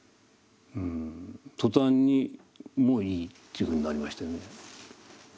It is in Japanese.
途端に「もういい」というふうになりましてね。